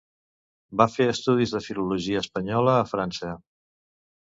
Va fer estudis de Filologia espanyola a França.